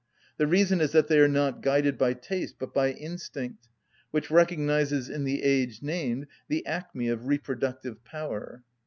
The reason is that they are not guided by taste but by instinct, which recognises in the age named the acme of reproductive power.